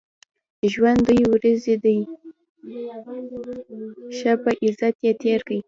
ژوند دوې ورځي دئ؛ ښه په عزت ئې تېر کئ!